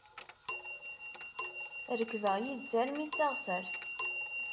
Rekbeɣ yid-s armi d taɣsert.